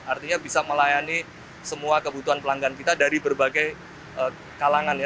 artinya bisa melayani semua kebutuhan pelanggan kita dari berbagai kalangan ya